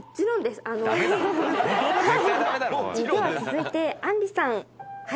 では続いてあんりさん。